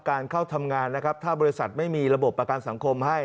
เข้าทำงานนะครับถ้าบริษัทไม่มีระบบประกันสังคมให้